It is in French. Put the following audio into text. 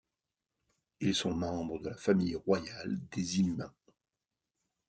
Ils sont membres de la famille royale des Inhumains.